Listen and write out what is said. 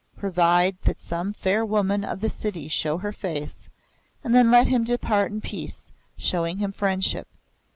Provide that some fair woman of the city show her face, and then let him depart in peace, showing him friendship.